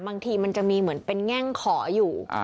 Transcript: บางทีมันจะมีเหมือนเป็นแง่งขออยู่